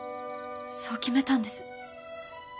そう決めたんです。